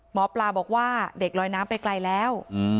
หมอปลาบอกว่าเด็กลอยน้ำไปไกลแล้ว